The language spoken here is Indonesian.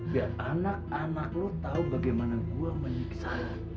biar anak anak lo tahu bagaimana gua menyiksa